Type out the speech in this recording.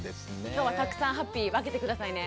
今日はたくさんハッピー分けて下さいね。